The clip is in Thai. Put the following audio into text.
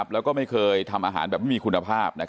แล้วก็ไม่เคยทำอาหารแบบมีคุณภาพ